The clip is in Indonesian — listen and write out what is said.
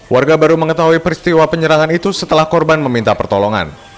warga baru mengetahui peristiwa penyerangan itu setelah korban meminta pertolongan